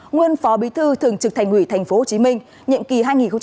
nguyên phó bí thư thường trực thành ủy tp hcm nhiệm kỳ hai nghìn một mươi năm hai nghìn hai mươi